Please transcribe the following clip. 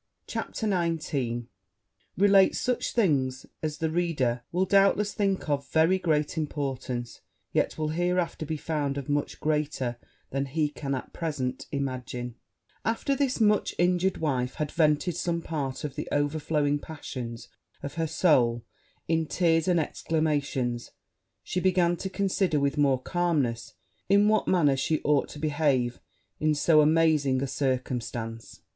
CHAPTER XIX _Relates such things as the reader will, doubtless, think of very great importance, yet will hereafter be found of much greater then he can at present imagine_ After this much injured wife had vented some part of the overflowing passions of her soul in tears and exclamations, she began to consider, with more calmness, in which manner she ought to behave, in so amazing a circumstance.